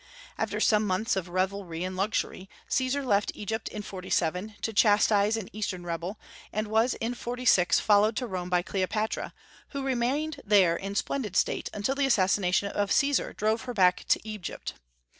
After some months of revelry and luxury, Caesar left Egypt in 47 to chastise an Eastern rebel, and was in 46 followed to Rome by Cleopatra, who remained there in splendid state until the assassination of Caesar drove her back to Egypt.